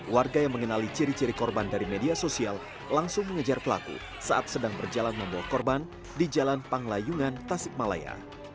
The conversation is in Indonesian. warga yang mengenali ciri ciri korban dari media sosial langsung mengejar pelaku saat sedang berjalan membawa korban di jalan panglayungan tasikmalaya